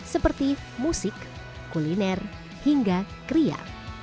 seperti musik kuliner hingga kria